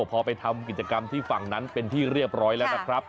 พอไปทำกิจกรรมที่ฝั่งนั้นเป็นที่เรียบร้อยแล้วนะครับ